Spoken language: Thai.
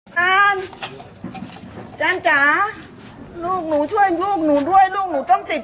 ดีกว่าพ่อได้มีฆ่าเรื่องของเธอ